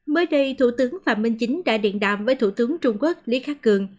mới đây thủ tướng phạm minh chính đã điện đàm với thủ tướng trung quốc lý khắc cường